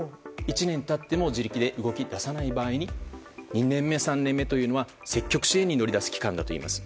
１年経っても自力で動き出さない場合に２年目、３年目は積極支援に乗り出す期間だといいます。